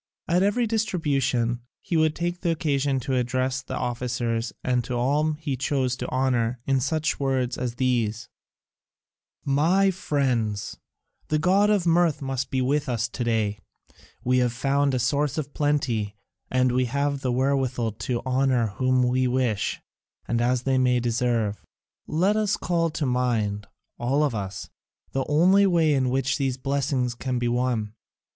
At every distribution he would take occasion to address the officers and all whom he chose to honour in some such words as these: "My friends, the god of mirth must be with us to day: we have found a source of plenty, and we have the wherewithal to honour whom we wish and as they may deserve. Let us call to mind, all of us, the only way in which these blessings can be won.